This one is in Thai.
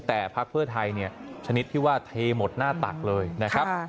แต่พักเพื่อไทยชนิดที่ว่าเทหมดหน้าตักเลยนะครับ